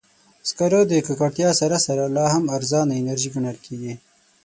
سکاره د ککړتیا سره سره، لا هم ارزانه انرژي ګڼل کېږي.